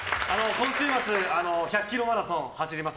今週末、１００ｋｍマラソン走ります。